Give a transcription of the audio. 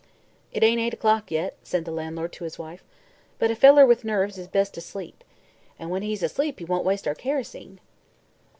"It ain't eight o'clock, yet," said the landlord to his wife, "but a feller with nerves is best asleep. An' when he's asleep he won't waste our kerosene."